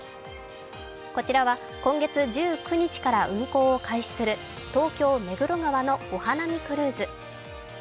こちらは今月１９日から運行を開始する東京・目黒川のお花見クルーズ。